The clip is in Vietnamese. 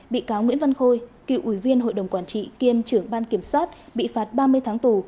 bị cáo nguyễn văn khôi cựu ủy viên hội đồng quản trị kiêm trưởng ban kiểm soát bị phạt ba mươi tháng tù